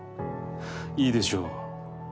いいでしょう。